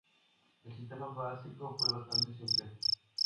El sistema básico fue bastante simple.